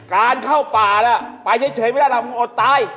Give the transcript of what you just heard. การเข้าป่าน่ะไปเฉยพรรดาเราอดตาย